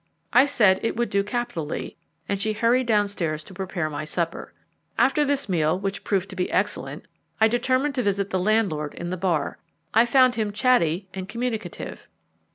I said it would do capitally, and she hurried downstairs to prepare my supper. After this meal, which proved to be excellent, I determined to visit the landlord in the bar. I found him chatty and communicative.